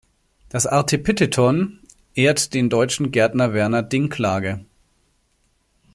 Das Artepitheton ehrt den deutschen Gärtner Werner Dinklage.